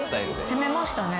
攻めましたね。